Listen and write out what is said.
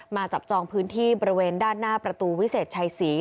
จับจองพื้นที่บริเวณด้านหน้าประตูวิเศษชัยศรี